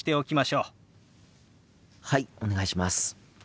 はいお願いします。